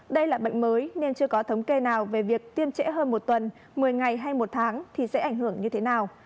đây là bệnh mới nên chưa có thống kê nào về việc tiêm trễ hơn một tuần một mươi ngày hay một tháng thì sẽ ảnh hưởng như thế nào